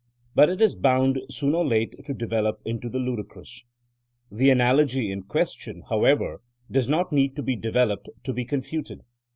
But it is bound soon or late to develop into the ludicrous. The analogy in question, however, does not need to be developed to be confuted.